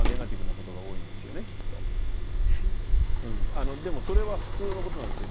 あのでもそれは普通のことなんですよ。